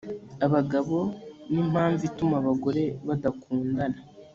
abagabo nimpamvu ituma abagore badakundana